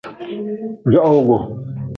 Johowgu.